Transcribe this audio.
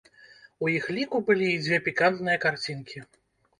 У іх ліку былі і дзве пікантныя карцінкі.